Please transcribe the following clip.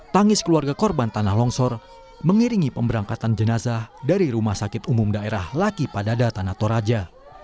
tangis keluarga korban tanah longsor mengiringi pemberangkatan jenazah dari rumah sakit umum daerah laki padada tanah toraja